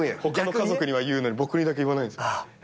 他の家族には言うのに僕にだけ言わないんです。